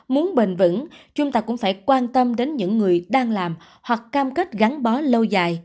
muốn bền vững chúng ta cũng phải quan tâm đến những người đang làm hoặc cam kết gắn bó lâu dài